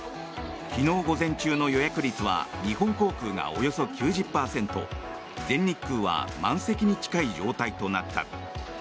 昨日午前中の予約率は日本航空がおよそ９０％全日空は満席に近い状態となった。